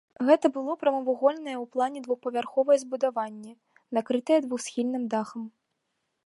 Гэта было прамавугольнае ў плане двухпавярховае збудаванне, накрытае двухсхільным дахам.